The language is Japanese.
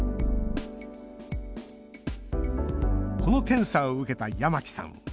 この検査を受けた八巻さん。